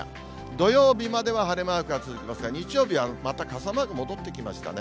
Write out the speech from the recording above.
土曜日までは晴れマークが続きますが、日曜日はまた傘マーク戻ってきましたね。